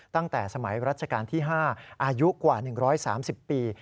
ตั้งแต่สมัยรัชกาลที่๕อายุกว่า๑๓๐ปี